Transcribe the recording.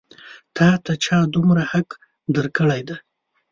تا ته چا دومره حق درکړی دی؟